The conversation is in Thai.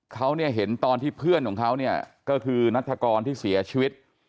เขาเนี่ยเห็นตอนที่เพื่อนของเขาเนี่ยก็คือนัฐกรที่เสียชีวิต